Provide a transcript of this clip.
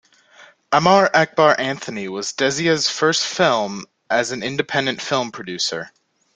"Amar Akbar Anthony" was Desai's first film as an independent film producer.